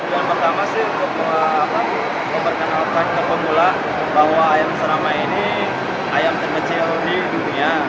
yang pertama sih untuk memperkenalkan ke pemula bahwa ayam seramai ini ayam terkecil di dunia